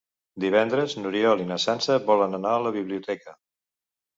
Divendres n'Oriol i na Sança volen anar a la biblioteca.